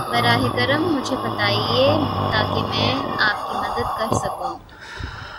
براہ کرم مجھے بتائیں تاکہ میں آپ کی مدد کر سکوں۔